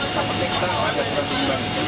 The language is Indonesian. tampaknya kita agak lebih imbang